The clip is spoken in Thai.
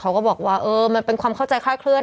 เขาก็บอกว่ามันเป็นความเข้าใจค่อยเคลื่อน